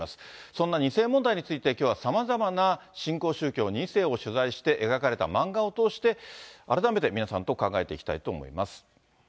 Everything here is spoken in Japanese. そんな２世問題について、きょうはさまざまな新興宗教２世を取材して描かれた漫画を通して、改めて皆さんと考えていきたいと思います。